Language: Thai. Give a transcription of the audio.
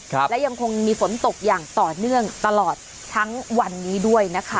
และยังคงมีฝนตกอย่างต่อเนื่องตลอดทั้งวันนี้ด้วยนะคะ